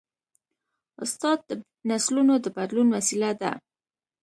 استاد د نسلونو د بدلون وسیله ده.